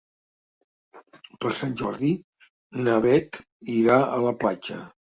Per Sant Jordi na Beth irà a la platja.